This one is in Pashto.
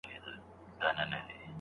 پلار ساعت زوی ته سپارلی و.